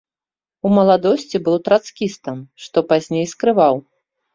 У маладосці быў трацкістам, што пазней скрываў.